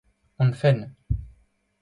hon fenn.